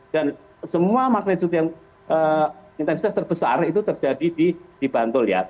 dan semua maklumat yang intensitas terbesar itu terjadi di bantul ya